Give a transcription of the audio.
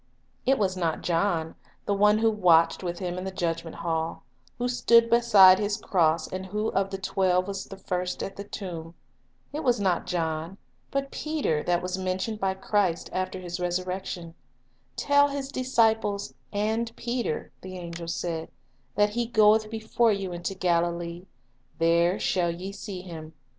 It was not John, the one who watched with Him in the judgment hall, who stood beside His cross, and who of the twelve was first at the tomb, — it was not John, but Peter, .that was mentioned by name in the first message sent to the disciples by Christ after His resur 'Teii Peter" rection. "Tell His disciples and Peter," the angel said, "that He goeth before you into Galilee; there shall ye see Him."